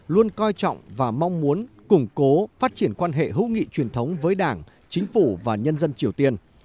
luôn coi trọng và mong muốn củng cố phát triển quan hệ hữu nghị truyền thống với đảng chính phủ và nhân dân triều tiên